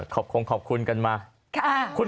ขอบคุณคุณกันไหม